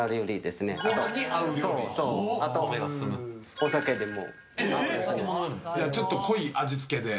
お酒でも。